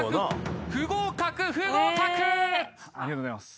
ありがとうございます。